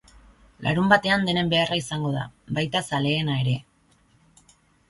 Larunbatean denen beharra izango da, baita zaleena ere.